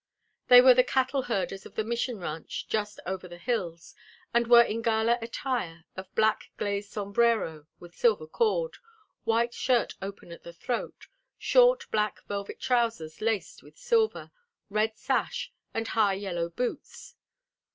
They were the cattle herders of the Mission ranch just over the hills, and were in gala attire of black glazed sombrero with silver cord, white shirt open at the throat, short black velvet trousers laced with silver, red sash and high yellow boots.